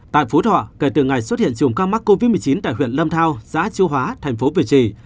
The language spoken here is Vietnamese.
tại phú thọ kể từ ngày xuất hiện chủng ca mắc covid một mươi chín tại huyện lâm thao xã châu hóa tp việt trì